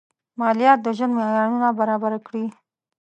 مالیات د ژوند معیارونه برابر کړي.